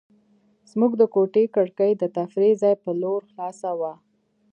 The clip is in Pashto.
زموږ د کوټې کړکۍ د تفریح ځای په لور خلاصه وه.